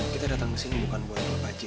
kita datang di sini bukan buat ngelop aja